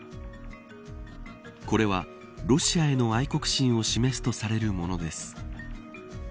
これはロシアへの愛国心を示すとされるものです。